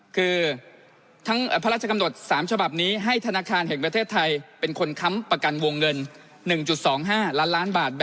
คือทั้งพระราชกำหนด๓ฉบับนี้ให้ธนาคารแห่งประเทศไทยเป็นคนค้ำประกันวงเงิน๑๒๕ล้านล้านบาท